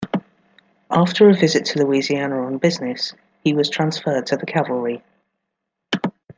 After a visit to Louisiana on business, he was transferred to the cavalry.